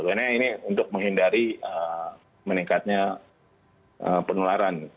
karena ini untuk menghindari meningkatnya penularan